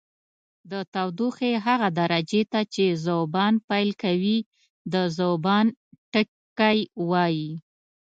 د تودوخې هغه درجې ته چې ذوبان پیل کوي د ذوبان ټکی وايي.